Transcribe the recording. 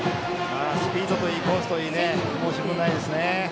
スピードといいコースといい、申し分ないですね。